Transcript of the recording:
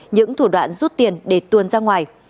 những thủ đoạn rút tiền để tuôn ra ngoài